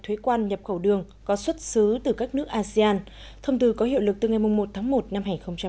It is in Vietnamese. thuế quan nhập khẩu đường có xuất xứ từ các nước asean thông tư có hiệu lực từ ngày một tháng một năm hai nghìn hai mươi